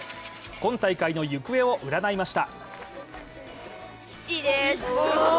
今大会の行方を占いました。